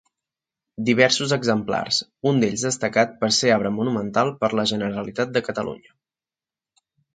Diversos exemplars, un d'ells destacat per ser arbre monumental per la Generalitat de Catalunya.